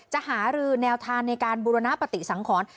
หารือแนวทางในการบุรณปฏิสังขร